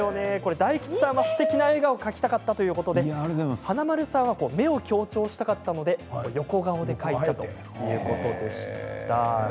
大吉さんは、すてきな笑顔を描きたかったということで華丸さんは目を強調したかったので横顔で描いてみたとのことでした。